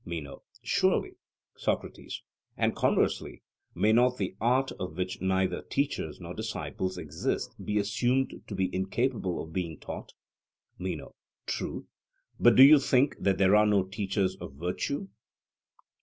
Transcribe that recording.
MENO: Surely. SOCRATES: And conversely, may not the art of which neither teachers nor disciples exist be assumed to be incapable of being taught? MENO: True; but do you think that there are no teachers of virtue?